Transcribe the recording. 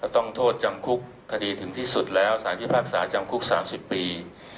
ต้องโทษจำคุกคดีถึงที่สุดแล้วสารพิพากษาจำคุก๓๐ปี